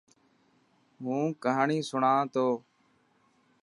هون ڪهاڻي سڻوان تو.